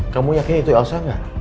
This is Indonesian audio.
kamu yakin itu elsa gak